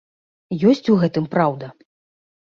Ёсць у гэтым праўда?